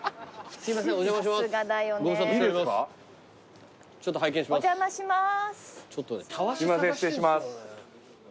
すいません失礼します。